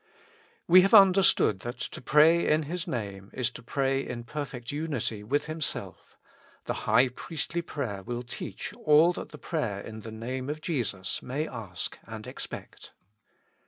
We have understood that to pray in His Name is to pray in perfect unity with Himself ; the high priestly prayer will teach all that the prayer in the Name of Jesus may ask and expect.